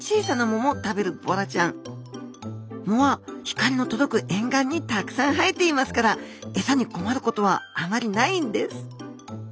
藻は光の届く沿岸にたくさんはえていますからエサに困ることはあまりないんです。